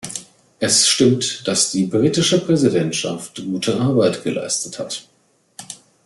Es stimmt, dass die britische Präsidentschaft gute Arbeit geleistet hat.